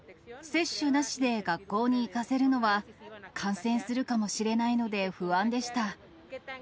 接種なしで学校に行かせるのは、感染するかもしれないので不安でした。